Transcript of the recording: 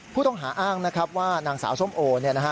ผู้ต้องหาอ้างนะครับว่านางสาวส้มโอเนี่ยนะฮะ